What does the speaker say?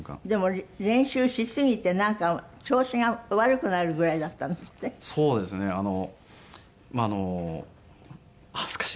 でも練習しすぎてなんか調子が悪くなるぐらいだったんですって？